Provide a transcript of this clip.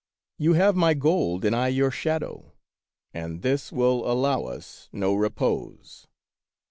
You have my gold and I your shadow, and this will allow us no repose.